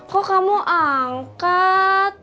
kok kamu angkat